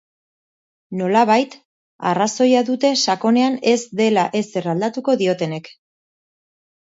Nolabait, arrazoia dute sakonean ez dela ezer aldatuko diotenek.